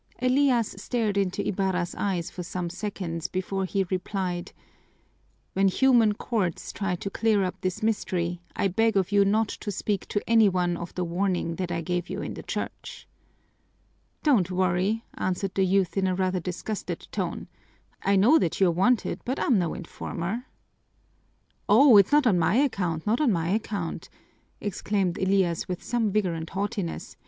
Elias stared into Ibarra's eyes for some seconds before he replied, "When human courts try to clear up this mystery, I beg of you not to speak to any one of the warning that I gave you in the church." "Don't worry," answered the youth in a rather disgusted tone. "I know that you're wanted, but I'm no informer." "Oh, it's not on my account, not on my account!" exclaimed Elias with some vigor and haughtiness.